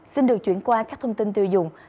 xin được chuyển qua các thông tin tiêu dùng